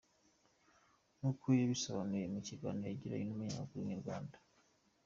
Nk’uko yabisobanuye mu kiganiro yagiranye n’umunyamakuru wa Inyarwanda.